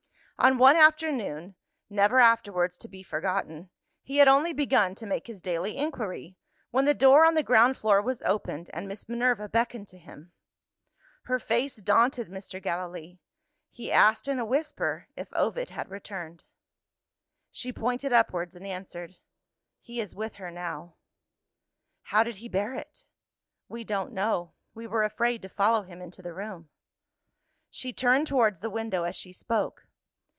On one afternoon never afterwards to be forgotten he had only begun to make his daily inquiry, when the door on the ground floor was opened, and Miss Minerva beckoned to him. Her face daunted Mr. Gallilee: he asked in a whisper, if Ovid had returned. She pointed upwards, and answered, "He is with her now." "How did he bear it?" "We don't know; we were afraid to follow him into the room." She turned towards the window as she spoke.